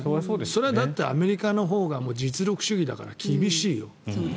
それはだってアメリカのほうが実力主義だから厳しいよ。